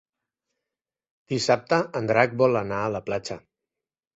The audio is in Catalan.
Dissabte en Drac vol anar a la platja.